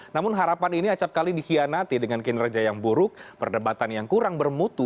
namun harapan ini acapkali dikhianati dengan kinerja yang buruk perdebatan yang kurang bermutu